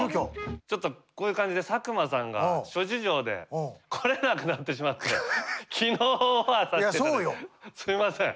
ちょっとこういう感じで佐久間さんが諸事情で来れなくなってしまって昨日オファーされたすいません。